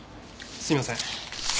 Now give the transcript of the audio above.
すいません。